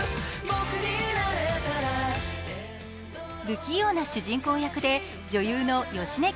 不器用な主人公役で女優の芳根